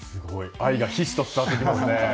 愛がひしひしと伝わってきます。